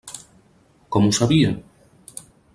Com ho sabia?